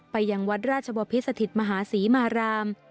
ไปยังวัดราชบพิสถิตมหาศรีมาราม